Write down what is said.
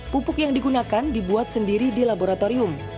pupuk yang digunakan dibuat sendiri di laboratorium